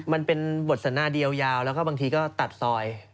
มันเป็นบทสนนาเดียวยาวแล้วก็บางทีก็ตัดซอย